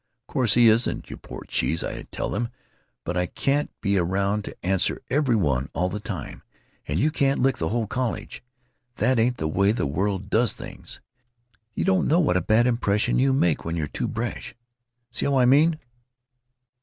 'Of course he isn't, you poor cheese,' I tell 'em, but I can't be around to answer every one all the time, and you can't lick the whole college; that ain't the way the world does things. You don't know what a bad impression you make when you're too brash. See how I mean?"